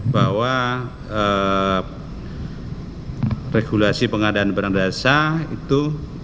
bahwa regulasi pengadaan barang dasar itu